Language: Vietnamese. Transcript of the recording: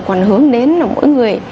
còn hướng đến mỗi người